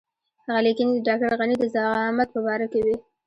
هغه لیکنې د ډاکټر غني د زعامت په باره کې وې.